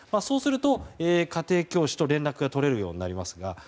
そうすると、家庭教師と連絡が取れるようになります。